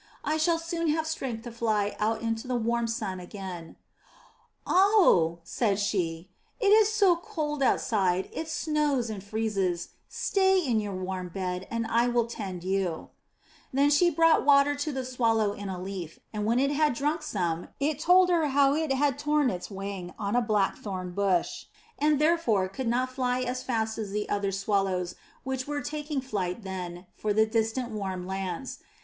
I shall soon have strength to fly out into the warm sun again/' "Oh!" said she, "it is so cold outside; it snows and freezes; stay in your warm bed and I will tend you/' Then she brought water to the Swallow in a leaf, and when it had drunk some, it told her how it had torn its wing on a black thorn bush, and therefore could not fly as fast as the other swallows which were taking flight then for the distant warm lands.